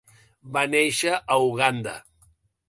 Va néixer a Uganda.